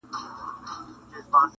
• او په ژمي اورېدلې سختي واوري -